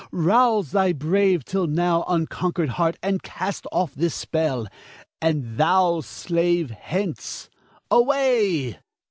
rouse thy brave, till now, unconquered heart and cast off this spell. And thou, slave, hence, away!